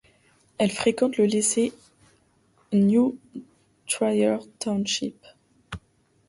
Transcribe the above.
Elle fréquente le lycée New Trier Township.